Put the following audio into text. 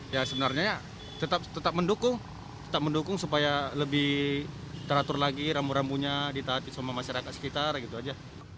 ya sebenarnya ya tetap mendukung tetap mendukung supaya lebih teratur lagi rambu rambunya ditaati sama masyarakat sekitar gitu aja